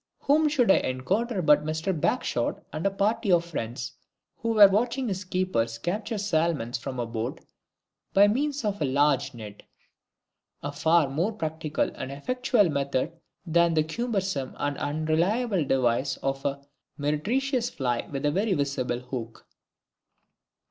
whom should I encounter but Mister BAGSHOT and a party of friends, who were watching his keepers capture salmons from a boat by means of a large net, a far more practical and effectual method than the cumbersome and unreliable device of a meretricious fly with a very visible hook!